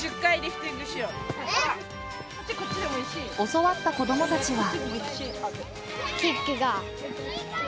教わった子供たちは。